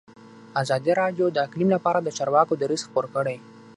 ازادي راډیو د اقلیم لپاره د چارواکو دریځ خپور کړی.